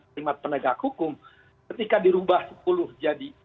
terima penegak hukum ketika dirubah sepuluh jadi empat